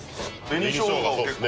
紅しょうがを結構。